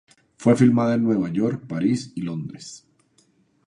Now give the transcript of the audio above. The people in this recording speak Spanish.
Fue filmada en Nueva York, París y Londres.